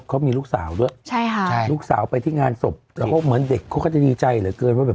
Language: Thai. เขามีลูกสาวด้วยเหมือนเด็กเขาก็นิดใจเหลือเกินว่าใช่ค่ะ